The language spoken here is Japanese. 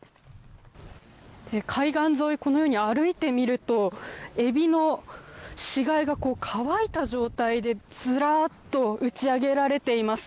海岸沿いをこのように歩いてみるとエビの死骸が乾いた状態でずらっと打ち揚げられています。